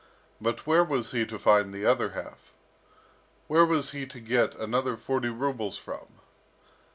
But where was he to find the other half? Where was he to get another forty rubles from?